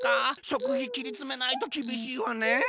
しょくひきりつめないときびしいわねえ。